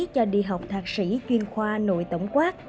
cho đi học thạc sĩ chuyên khoa nội tổng quát